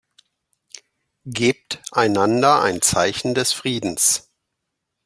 Gebt einander ein Zeichen des Friedens.